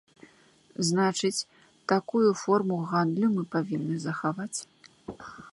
Значыць, такую форму гандлю мы павінны захаваць.